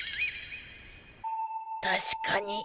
たしかに。